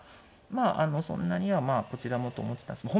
あのそんなにはこちらもと思ってたんですけど。